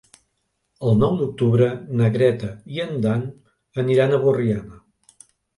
El nou d'octubre na Greta i en Dan aniran a Borriana.